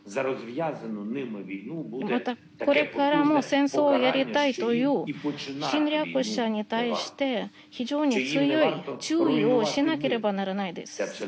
また、これからも戦争をやりたいという侵略者に対して非常に強い注意をしなければならないです。